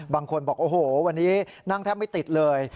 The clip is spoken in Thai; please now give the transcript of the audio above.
บางคนบอกโอ้โหวันนี้นั่งแทบไม่ติดเลย